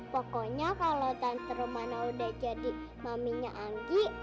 pokoknya kalo tante rumana udah jadi maminya anggi